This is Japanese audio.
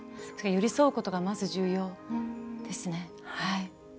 寄り添うことがまず重要ですね。